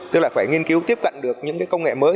tức là phải nghiên cứu tiếp cận được những cái công nghệ mới